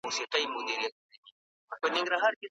هر انسان غواړي خپل وریښتان صحتمند وساتي.